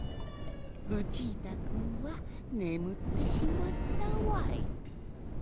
ルチータくんはねむってしまったわい。